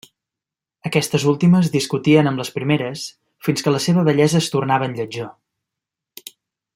Aquestes últimes discutien amb les primeres fins que la seva bellesa es tornava en lletjor.